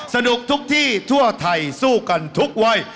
สนุกทุกที่ทั่วไทยสู้กันทุกวัย